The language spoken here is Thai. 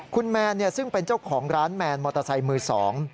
คุณแมนซึ่งเป็นเจ้าของร้านแมนมอเตอร์ไซค์มือสอง